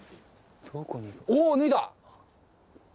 お脱いだ！